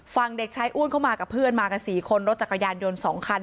เด็กชายอ้วนเข้ามากับเพื่อนมากัน๔คนรถจักรยานยนต์๒คัน